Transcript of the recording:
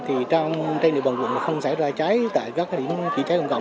thì trong trên địa bàn quận không xảy ra cháy tại các điểm chỉ cháy công cộng